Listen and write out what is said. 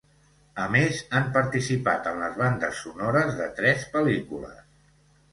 A més, han participat en les bandes sonores de tres pel·lícules.